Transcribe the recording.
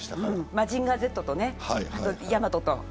マジンガーＺとヤマトと。